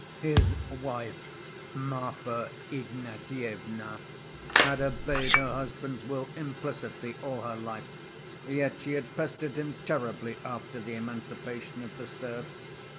His wife, Marfa Ignatyevna, had obeyed her husband's will implicitly all her life, yet she had pestered him terribly after the emancipation of the serfs.